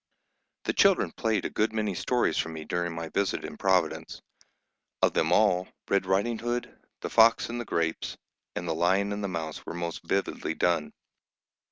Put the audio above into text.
The children played a good many stories for me during my visit in Providence. Of them all, Red Riding Hood, The Fox and the Grapes, and The Lion and the Mouse were most vividly done.